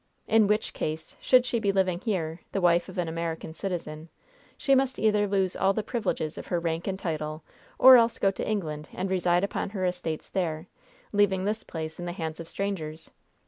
In which case, should she be living here, the wife of an American citizen, she must either lose all the privileges of her rank and title or else go to England and reside upon her estates there, leaving this place in the hands of strangers.